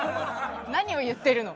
何を言ってるの。